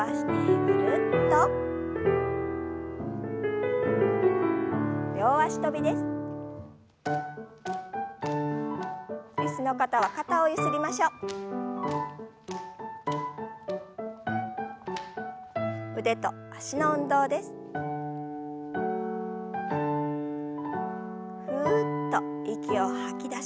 ふっと息を吐き出しながら。